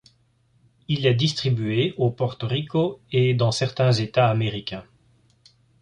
Il est distribué au Porto Rico et dans certains états américains.